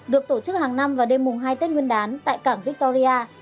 được tổ chức hàng năm vào đêm mùng hai tết nguyên đán tại cảng victoria